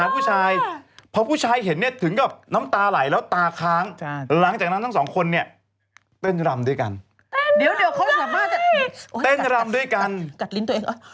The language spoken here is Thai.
พอผู้ชายเห็นเนี่ยถึงกับน้ำตาไหลแล้วตาค้างหลังจากนั้นทั้งสองคนนี้เต้นรำด้วยกันเต้นรำด้วยกัน